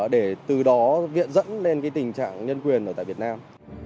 để từ đó viện dẫn lên tình trạng nhân quyền ở tại việt nam